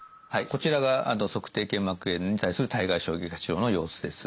こちらが足底腱膜炎に対する体外衝撃波治療の様子です。